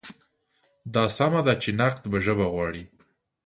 دا سمه ده چې نقد به ژبه غواړي.